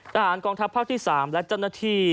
ทหารกองทัพภาคที่๓และเจ้าหน้าที่